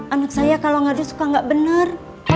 anak saya kalau ngadu suka gak bener